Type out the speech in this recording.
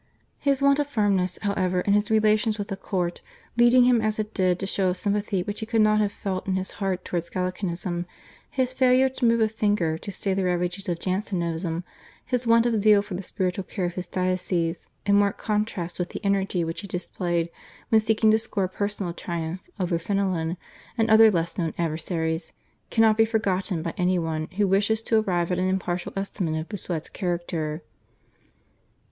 His want of firmness, however, in his relations with the court, leading him as it did to show a sympathy which he could not have felt in his heart towards Gallicanism, his failure to move a finger to stay the ravages of Jansenism, his want of zeal for the spiritual care of his diocese, in marked contrast with the energy which he displayed when seeking to score a personal triumph over Fenelon and other less known adversaries, cannot be forgotten by any one who wishes to arrive at an impartial estimate of Bossuet's character.